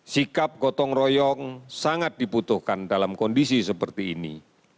sikap gotong royong sangat dibutuhkan dalam kondisi seperti ini